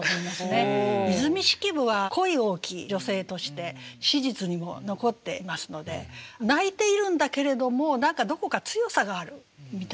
和泉式部は恋多き女性として史実にも残ってますので泣いているんだけれども何かどこか強さがあるみたいな。